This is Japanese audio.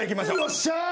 よっしゃ！